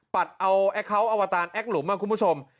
อัดเอาแอคเคาน์อวตารแอคหลุมคุณผู้ชม